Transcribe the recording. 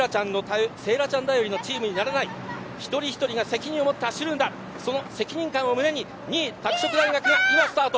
聖衣来ちゃん頼りのチームにならない一人一人が責任を持って走るんだ、その責任感を胸に２位、拓殖大学が今スタート